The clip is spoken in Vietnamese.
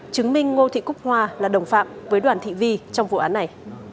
chứng minh ngô thị cúc hoa là đồng phạm với đoàn thị vi trong vụ án này